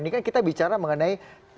ini kan kita bicara mengenai